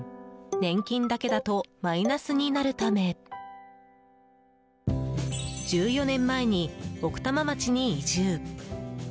年金だけだとマイナスになるため１４年前に奥多摩町に移住。